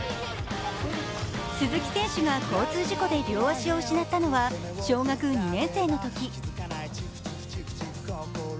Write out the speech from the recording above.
鈴木選手が交通事故で両脚を失ったのは小学２年生のとき。